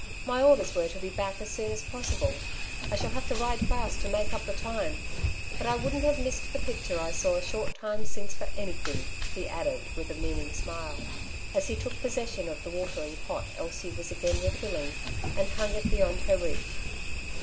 My orders were to be back as soon as pos sible* I shall have to ride fast to make up the time ; but I wouldn't have missed the picture I saw a short time since for anything," he added with a meaning smile, as he took possession of the watering pot Elsie was again refilling, and hung it beyond her reach.